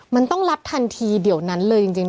มันต้องรับทันทีเดี๋ยวนั้นเลยจริง